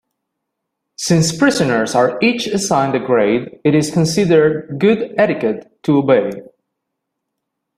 Since prisoners are each assigned a grade, it is considered good etiquette to obey.